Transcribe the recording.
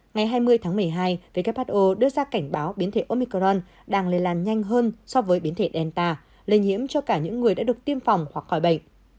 ngày hai mươi tháng một mươi hai who đưa ra cảnh báo biến thể omicron đang lây lan nhanh hơn so với biến thể delta lây nhiễm cho cả những người đã được tiêm phòng hoặc khỏi bệnh